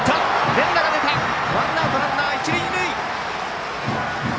連打が出たワンアウトランナー、一塁二塁。